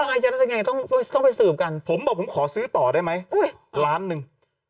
อาญัตซ์ต้องไปสืบกันผมบอกผมขอซื้อต่อได้มั้ยล้านหนึ่ง